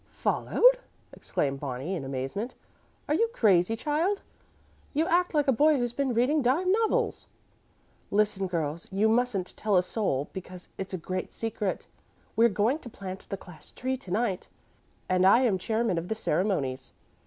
"Followed!" exclaimed Bonnie, in amazement. "Are you crazy, child? You act like a boy who's been reading dime novels." "Listen, girls. You mustn't tell a soul, because it's a great secret. We're going to plant the class tree to night, and I am chairman of the ceremonies.